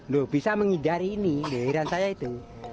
loh bisa menghindari ini heran saya itu